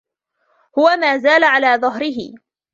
هو مازال على ظهره.